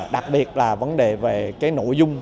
đặc biệt là vấn đề về nội dung